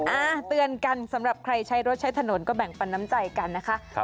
เตือนกันสำหรับใครใช้รถใช้ถนนก็แบ่งปันน้ำใจกันนะคะ